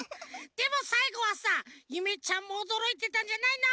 でもさいごはさゆめちゃんもおどろいてたんじゃないの？